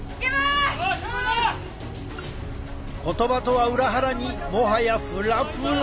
言葉とは裏腹にもはやフラフラ！